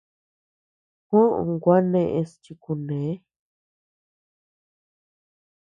Juó gua neʼes chi kune.